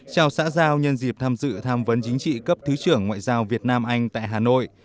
chào xã giao nhân dịp tham dự tham vấn chính trị cấp thứ trưởng ngoại giao việt nam anh tại hà nội